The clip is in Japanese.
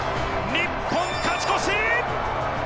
日本勝ち越し！